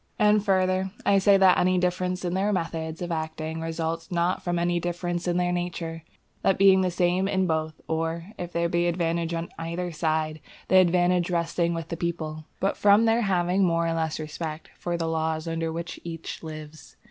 And further, I say that any difference in their methods of acting results not from any difference in their nature, that being the same in both, or, if there be advantage on either side, the advantage resting with the people, but from their having more or less respect for the laws under which each lives.